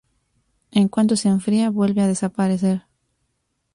En cuanto se enfría, vuelve a desaparecer.